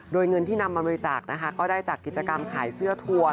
โดยเงินที่นำมาบริจาคนะคะก็ได้จากกิจกรรมขายเสื้อทัวร์